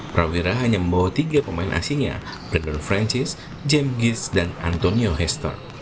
prawira hanya membawa tiga pemain asingnya bredor francis james gis dan antonio hester